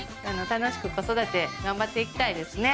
楽しく子育て頑張っていきたいですね。